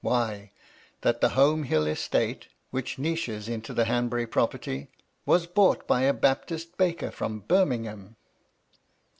Why, that the Home Hill estate, which niches into the Hanbury property, was bought by a Baptist baker from Birmingham